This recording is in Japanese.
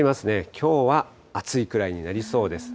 きょうは暑いくらいになりそうです。